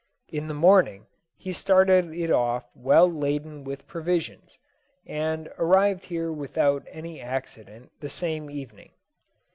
In the morning he started it off well laden with provisions, and arrived here without any accident the same evening.